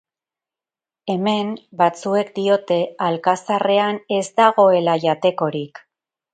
Hemen, batzuek diote Alkazarrean ez dagoela jatekorik.